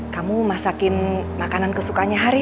kamu masakin makanan kesukanya hari